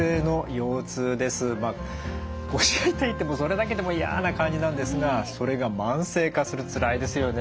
腰が痛いってそれだけでも嫌な感じなんですがそれが慢性化するつらいですよね。